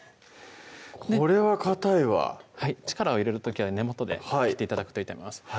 これはかたいわはい力を入れる時は根元で切って頂くといいと思います